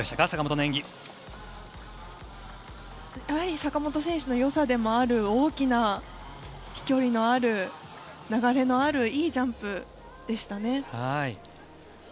やはり坂本選手のよさでもある大きな飛距離のある流れのあるいいジャンプでしたね。